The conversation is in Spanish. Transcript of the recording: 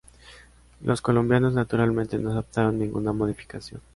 Los colombianos, naturalmente, no aceptaron ninguna modificación.